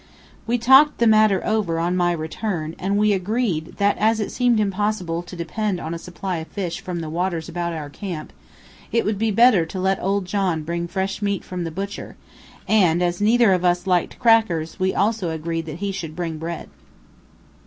We talked the matter over on my return, and we agreed that as it seemed impossible to depend upon a supply of fish, from the waters about our camp, it would be better to let old John bring fresh meat from the butcher, and as neither of us liked crackers, we also agreed that he should bring bread.